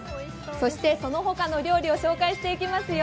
そして、そのほかの料理を紹介していきますよ。